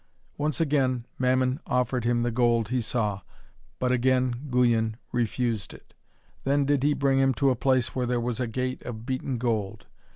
Once again Mammon offered him the gold he saw, but again Guyon refused it. Then did he bring him to a place where was a gate of beaten gold.